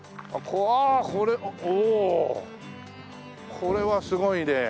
これはすごいね。